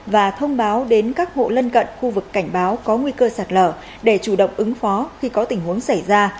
và thông báo đến các hộ lân cận khu vực cảnh báo có nguy cơ sạt lở để chủ động ứng phó khi có tình huống xảy ra